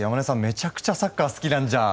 めちゃくちゃサッカー好きなんじゃ。